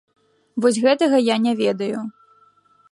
Вось гэтага я не ведаю.